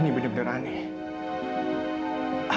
mama harus tahu evita yang salah